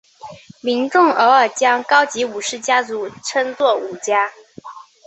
民众偶尔将高级武士家族称作武家。